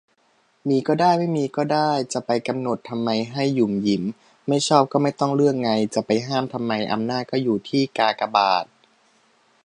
มีก็ได้ ไม่มีก็ได้ จะไปกำหนดทำไมให้หยุมหยิม ไม่ชอบก็ไม่ต้องเลือกไง จะไปห้ามทำไม อำนาจก็อยู่ที่กากบาท